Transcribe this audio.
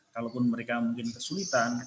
kalaupun mereka mungkin kesulitan